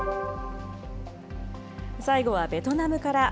最後はベトナムから。